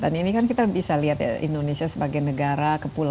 dan ini kan kita bisa lihat ya indonesia sebagai negara